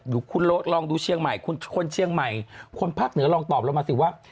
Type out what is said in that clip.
เดี๋ยวคุณลองดูเชียงใหม่คุณคนเชียงใหม่คนภาคเหนือลองตอบเรามาสิว่า